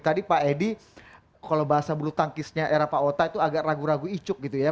tadi pak edi kalau bahasa bulu tangkisnya era pak ota itu agak ragu ragu icuk gitu ya